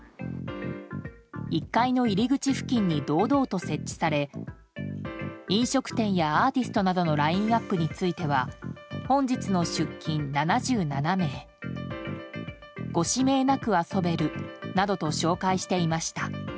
１階の入り口付近に堂々と設置され飲食店やアーティストのラインアップについては本日の出勤７７名ご指名なく遊べるなどと紹介していました。